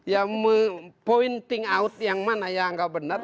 yang pointing out yang mana yang gak benar